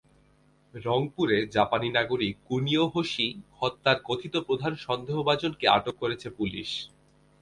রংপুরে জাপানি নাগরিক কুনিও হোশি হত্যার কথিত প্রধান সন্দেহভাজনকে আটক করেছে পুলিশ।